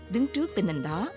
đứng trước tình hình đó